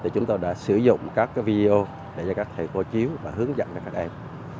chúng tôi đã sử dụng các video để cho các thầy cô chiếu và hướng dẫn cho các em